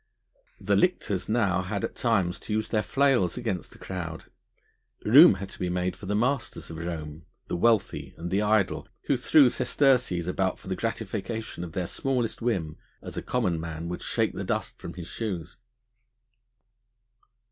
The lictors now had at times to use their flails against the crowd. Room had to be made for the masters of Rome, the wealthy and the idle, who threw sesterces about for the gratification of their smallest whim, as a common man would shake the dust from his shoes.